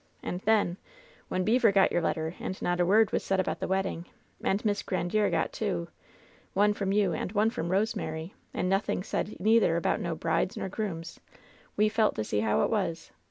And then — ^when Beever got your letter, and not a word was said about the wedding, and Miss Gran diere got two — one from you and one from Rosemary— LOVE'S BITTEREST CUP 137 Eftd nothing said neither about no brides nor grooms, we felt to see how it was.